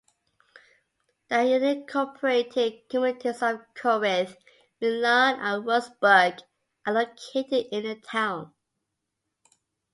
The unincorporated communities of Corinth, Milan, and Wuertsburg are located in the town.